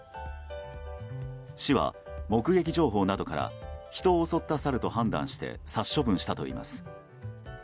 市は目撃情報などから人を襲ったサルと判断して殺処分したといいます。